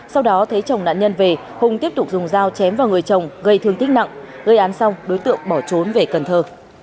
sau đó thấy chồng nạn nhân về hùng tiếp tục dùng dao chém vào người chồng gây thương tích nặng gây án xong đối tượng bỏ trốn về cần thơ